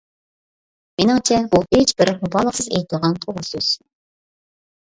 مېنىڭچە، بۇ ھېچبىر مۇبالىغىسىز ئېيتىلغان توغرا سۆز.